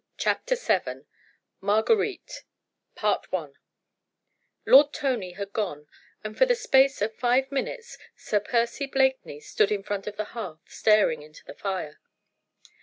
CHAPTER VII MARGUERITE I Lord Tony had gone, and for the space of five minutes Sir Percy Blakeney stood in front of the hearth staring into the fire.